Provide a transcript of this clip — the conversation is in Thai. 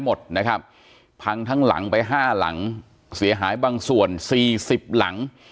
หมดนะครับพังทั้งหลังไปห้าหลังเสียหายบางส่วนสี่สิบหลัง